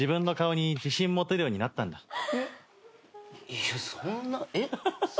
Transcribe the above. いやそんなえっ？